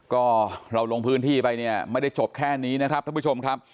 ก็เราลงพื้นที่ไปเนี่ยไม่ได้จบแค่นี้นะครับท่านผู้ชมครับ